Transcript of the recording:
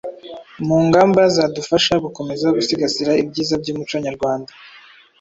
mu ngamba zadufasha gukomeza gusigasira ibyiza by’umuconyarwanda.